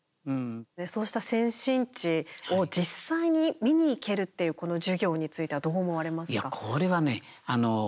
そうした先進地を実際に見に行けるっていうこの授業についてはどう思われますか。